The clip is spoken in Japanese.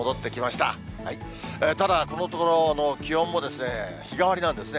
ただこのところ、気温も日替わりなんですね。